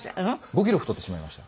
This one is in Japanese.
５キロ太ってしまいました。